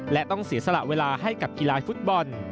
และต้องเสียสละเวลาให้กับกีฬาฟุตบอล